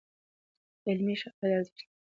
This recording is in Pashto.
علمي شواهد ارزښت لري.